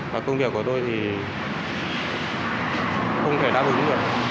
và công việc của tôi thì không thể đáp ứng được